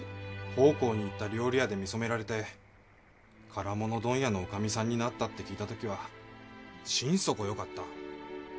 奉公に行った料理屋で見初められて唐物問屋の女将さんになったって聞いた時は心底よかった。